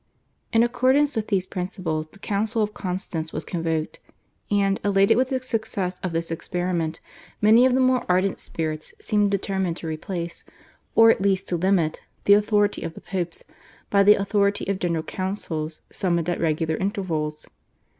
In accordance with these principles the Council of Constance was convoked, and, elated with the success of this experiment, many of the more ardent spirits seemed determined to replace, or at least, to limit the authority of the Popes by the authority of General Councils summoned at regular intervals.